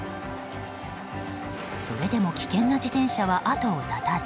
それでも危険な自転車は後を絶たず。